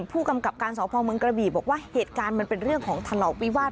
ผู้กำกับการสพเมืองกระบี่บอกว่าเหตุการณ์มันเป็นเรื่องของทะเลาะวิวาส